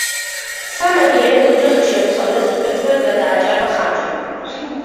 სამაგიეროდ ოჯახის შემოსავლებს მკვეთრად გადააჭარბა ხარჯებმა.